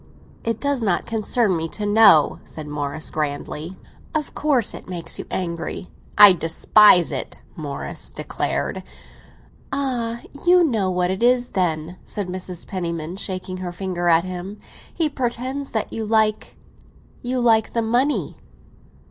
"It does not concern me to know," said Morris grandly. "Of course it makes you angry." "I despise it," Morris declared. "Ah, you know what it is, then?" said Mrs. Penniman, shaking her finger at him. "He pretends that you like—you like the money."